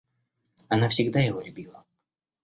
Она всегда его любила.